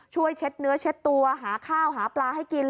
เช็ดเนื้อเช็ดตัวหาข้าวหาปลาให้กิน